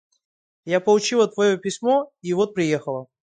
Я получила твое письмо и вот приехала.